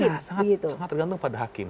iya sangat tergantung pada hakim